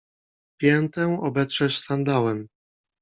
Piętę obetrzesz sandałem!